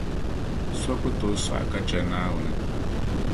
So ku tooi sɔɣi ka che Naawuni.